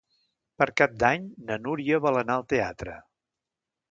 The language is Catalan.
Per Cap d'Any na Núria vol anar al teatre.